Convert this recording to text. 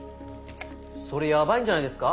それやばいんじゃないですか？